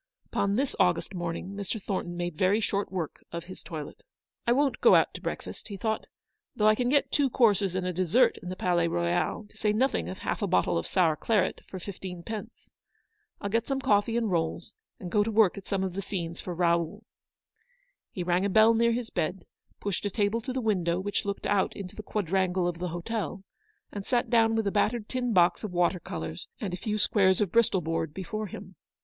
Upon this August morning Mr. Thornton made very short work of his toilet. "I won't go out to breakfast," he thought, " though I can get two courses and a dessert in the Palais Royal, to say nothing of half a bottle of sour claret, for fifteen pence. I'll get some coffee and rolls, and go to work at some of the scenes for ' Raoul.' " He rang a bell near his bed, pushed a table to the window which looked out into the quad rangle of the hotel, and sat down with a battered tin box of water colours and a few squares of Bristol board before him.